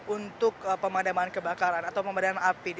untuk pemadaman kebakaran atau pemadaman api